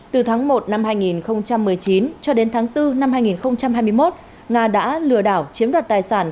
từ tháng một năm hai nghìn một mươi chín cho đến tháng bốn năm hai nghìn hai mươi một nga đã lừa đảo chiếm đoạt tài sản